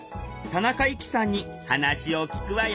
田中宝紀さんに話を聞くわよ。